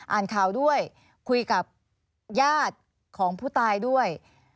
อ่านข่าวด้วยคุยกับญาติของผู้ตายด้วย